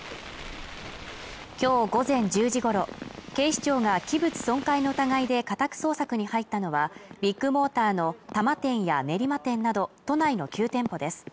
今日午前１０時ごろ警視庁が器物損壊の疑いで家宅捜索に入ったのはビッグモーターの多摩店や練馬店など都内の９店舗です